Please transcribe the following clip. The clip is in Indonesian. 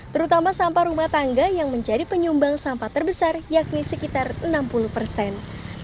terutama sampah rumah tangga yang menjadi penyumbang sampah terbesar yakni sekitar enam puluh persen